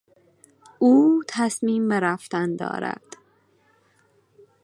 او تصمیم به رفتن دارد.